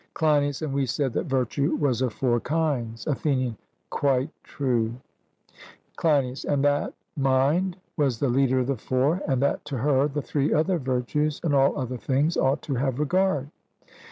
CLEINIAS: And we said that virtue was of four kinds? ATHENIAN: Quite true. CLEINIAS: And that mind was the leader of the four, and that to her the three other virtues and all other things ought to have regard?